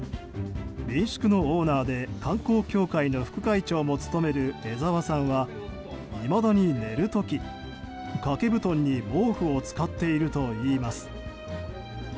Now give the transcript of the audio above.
民宿のオーナーで観光協会の副会長も務める江澤さんは、いまだに寝る時掛け布団に毛布を使っているといいます。